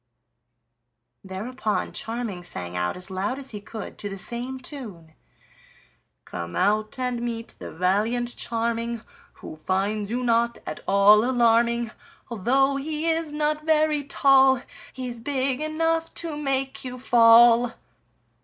Thereupon Charming sang out as loud as he could to the same tune: "Come out and meet the valiant Charming Who finds you not at all alarming; Although he is not very tall, He's big enough to make you fall."